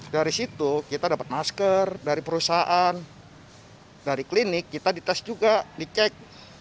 dari situ kita dapat masker dari perusahaan dari klinik kita dites juga dicek